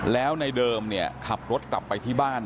แล้วในเดิมเนี่ยขับรถกลับไปที่บ้าน